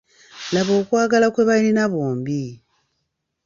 Laba okwagala kwe balina bombi.